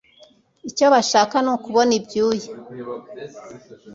icyo bashaka ni ukubona ibyuya